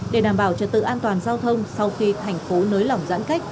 để đảm bảo trật tự an toàn giao thông sau khi thành phố nới lỏng giãn cách